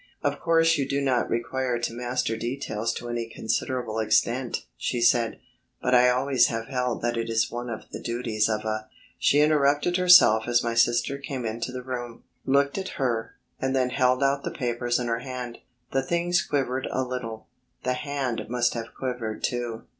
"Of course you do not require to master details to any considerable extent," she said, "but I always have held that it is one of the duties of a...." She interrupted herself as my sister came into the room; looked at her, and then held out the papers in her hand. The things quivered a little; the hand must have quivered too.